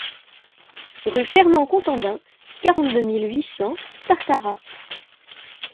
Rue Fernand Contandin, quarante-deux mille huit cents Tartaras